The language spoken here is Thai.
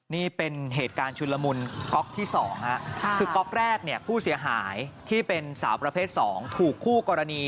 นี่เป็นเหตุการณ์ชุนละมุนก๊อกที่๒คือก๊อกแรกเนี่ยผู้เสียหายที่เป็นสาวประเภท๒ถูกคู่กรณี